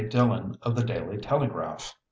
Dillon of the Daily Telegraph.